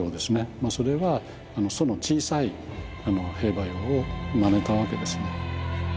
まあそれは楚の小さい兵馬俑をまねたわけですね。